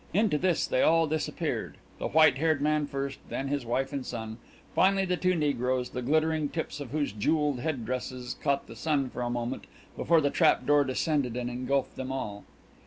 Into this they all disappeared, the white haired man first, then his wife and son, finally the two negroes, the glittering tips of whose jewelled head dresses caught the sun for a moment before the trap door descended and engulfed them all.